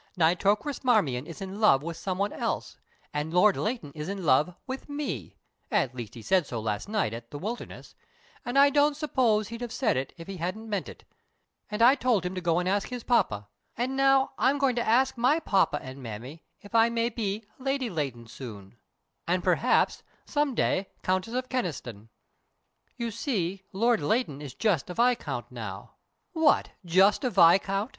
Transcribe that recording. "Nitocris Marmion is in love with some one else, and Lord Leighton is in love with me at least he said so last night at 'The Wilderness,' and I don't suppose he'd have said it if he hadn't meant it and I told him to go and ask his Papa: and now I'm going to ask my Poppa and Mammy if I may be Lady Leighton soon, and, perhaps, some day Countess of Kyneston. You see, Lord Leighton is just a viscount now " "What, just a viscount!"